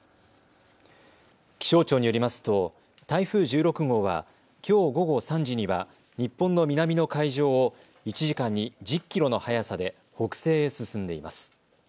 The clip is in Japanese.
気象庁によりますと台風１６号はきょう午後３時には日本の南の海上を１時間に１０キロの速さで北西へ進んでいます。